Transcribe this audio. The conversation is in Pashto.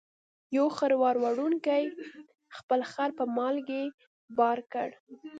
یو خروار وړونکي خپل خر په مالګې بار کړ.